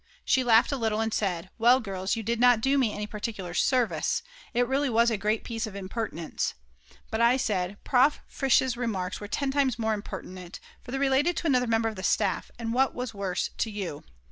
She laughed a little, and said: "Well, girls, you did not do me any particular service. It really was a great piece of impertinence." But I said: "Prof. Fritsch's remarks were 10 times more impertinent, for they related to another member of the staff, and what was worse to you."